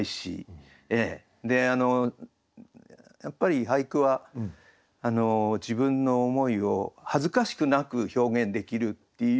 でやっぱり俳句は自分の思いを恥ずかしくなく表現できるっていうようなのが。